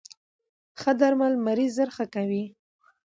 ښه درمل مریض زر ښه کوی.